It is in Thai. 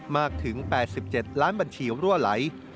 มากถึง๘๗ล้านบัญชีรั่วไหล